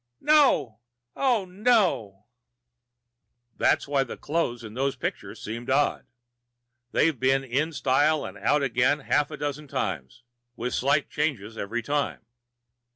"No! Oh, no!" "That's why the clothes in those pictures seemed odd. They've been in style and out again half a dozen times, with slight changes each time.